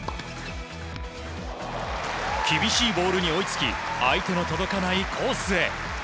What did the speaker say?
厳しいボールに追いつき相手の届かないコースへ。